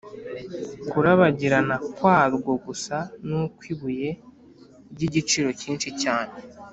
Kurabagirana kwarwo gusa n’ukw’ibuye ry’igiciro cyinshi cyane